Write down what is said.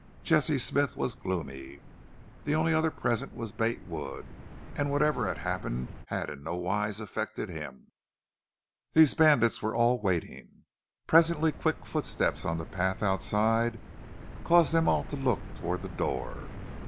Jesse Smith was gloomy. The only other present was Bate Wood, and whatever had happened had in no wise affected him. These bandits were all waiting. Presently quick footsteps on the path outside caused them all to look toward the door.